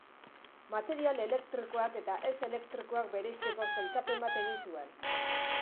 Material elektrikoak eta ez-elektrikoak bereizteko sailkapen bat egin zuen.